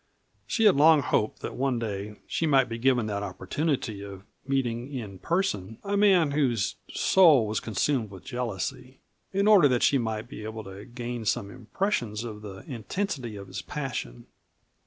She had long hoped that one day she might be given the opportunity of meeting in person a man whose soul was consumed with jealousy, in order that she might be able to gain some impressions of the intensity of his passion.